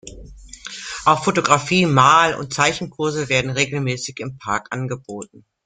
Auch Fotografie-, Mal- und Zeichenkurse werden regelmäßig im Park angeboten.